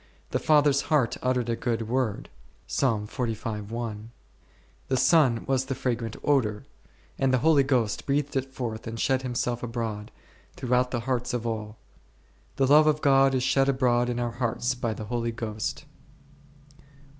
The Father's heart uttered a good Word 1 , the Son was the fragrant odour, and the Holy Ghost breathed it forth and shed Himself abroad, throughout the hearts of all ; The love of God is shed abroad in our hearts by the Holy Ghost u .